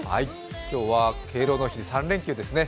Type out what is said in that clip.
今日は敬老の日、３連休ですね。